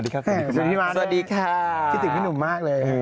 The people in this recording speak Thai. คิดถึงพี่หนุ่มมากเลย